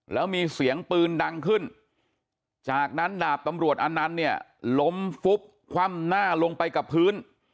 แล้วมีเสียงปืนดังขึ้นจากนั้นดาบตำรวจอนันต์เนี่ยล้มฟุบคว่ำหน้าลงไปกับพื้น